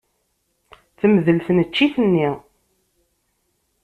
Temdel tneččit-nni.